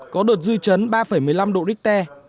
có đợt dư chấn ba một mươi năm độ richter